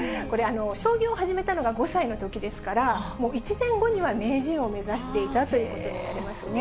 将棋を始めたのが５歳のときですから、１年後には名人を目指していたということになりますね。